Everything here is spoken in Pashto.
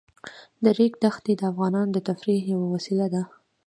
د ریګ دښتې د افغانانو د تفریح یوه وسیله ده.